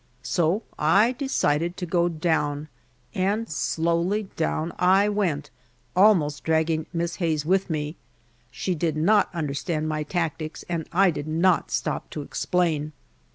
So I decided to go down and slowly down I went, almost dragging Miss Hayes with me. She did not understand my tactics, and I did not stop to explain.